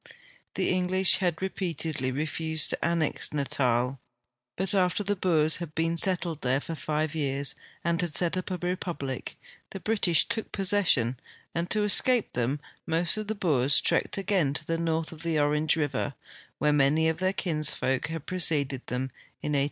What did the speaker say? The Nngiish had re peatedly refused to annex Natal, but after the Boers had l)een settled there for five }'ears and had set up a republic, the British took possession, and to escape them most of the Boers trekked again to the north of the Orange river, where man}" of their kins folk had preceded them in 1836 '37.